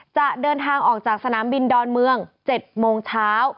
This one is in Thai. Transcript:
จะเดินทางออกจากสนามบินดอนเมือง๗โมงเช้า